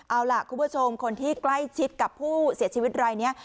เอาล่ะคุณผู้ชมคนที่ใกล้ชิดกับผู้เสียชีวิตรายนี้